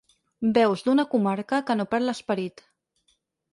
Veus d’una comarca que no perd l’esperit.